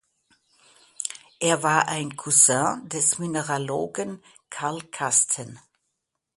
Er war ein Cousin des Mineralogen Carl Karsten.